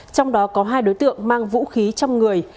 trong đó có hai đối tượng mang vũ khí trong người